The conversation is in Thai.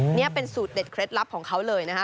นี่เป็นสูตรเด็ดเคล็ดลับของเขาเลยนะคะ